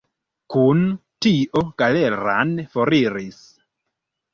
Kun tio Galeran foriris.